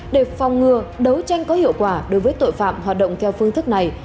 để phòng ngừa đấu tranh có hiệu quả đối với tội phạm hoạt động theo phương thức này